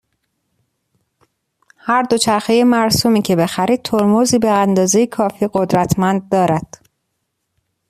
هر دوچرخه مرسومی که بخرید، ترمزی به اندازه کافی قدرتمند دارد.